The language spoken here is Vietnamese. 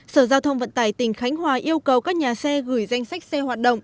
sở giao thông vận tải tỉnh khánh hòa yêu cầu các nhà xe gửi danh sách xe hoạt động